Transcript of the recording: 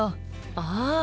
ああ！